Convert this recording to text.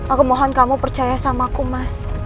aku mohon kamu percaya sama aku mas